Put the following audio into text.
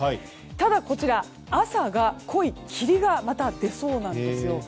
ただこちら、朝が濃い霧がまた出そうなんです。